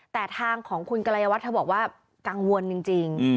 แต่ทางของคุณกรัยวัตรเธอบอกว่ากังวลจริง